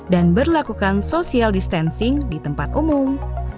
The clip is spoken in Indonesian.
dan berlakukan social distancing di tempat umum